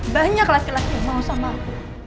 banyak laki laki mau sama aku